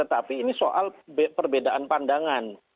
tetapi ini soal perbedaan pandangan